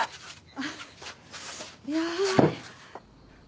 あっいやあ。